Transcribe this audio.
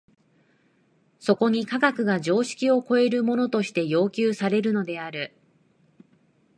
そこに科学が常識を超えるものとして要求されるのである。